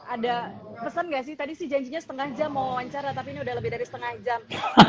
ada pesan gak sih tadi sih janjinya setengah jam mau wawancara tapi ini udah lebih dari setengah jam